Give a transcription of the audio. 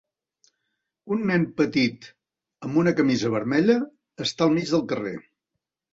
Un nen petit amb una camisa vermella està al mig del carrer.